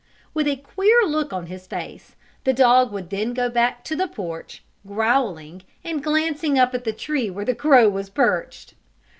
With a queer look on his face, the dog would then go back to the porch, growling and glancing up at the tree where the crow was perched.